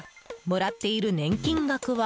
もらっている年金額は。